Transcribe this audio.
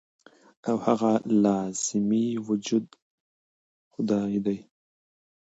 او هغه لازمي وجود خدائے دے -